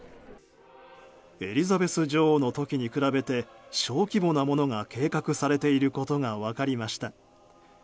エリザベス女王の時に比べて小規模なものが計画されていることが分かりました。